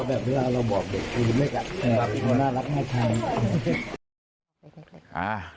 ก็แบบรึง่าเราบอกเด็กคุณไม่กลับแบบหน้ารักไม่คล้าย